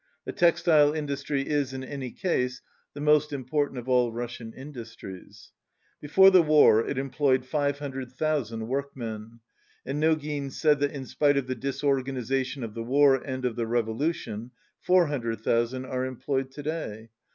The textile industry is, in any case, the most important of all Russian industries. Before the war it employed 500,000 workmen, and Nogin said that in spite of the dis organization of the war and of the revolution 400,000 are employed to day.